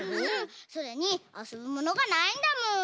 それにあそぶものがないんだもん。